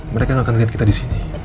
mereka yang akan lihat kita di sini